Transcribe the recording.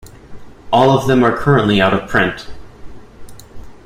All of them are currently out of print.